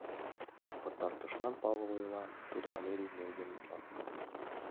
Пытартышлан Павыл ойла, тудо Валерий нерген мутлана: